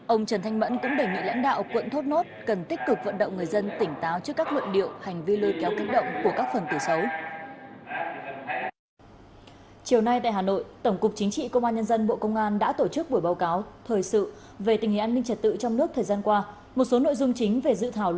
ông trần thanh mẫn cũng đề nghị lãnh đạo quận thốt nốt cần tích cực vận động người dân tỉnh táo